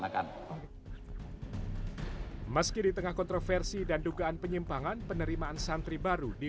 akan meski di tengah kontroversi dan dugaan penyimpangan penerimaan santri baru di